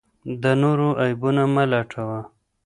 د نورو عیبونه مه لټوه.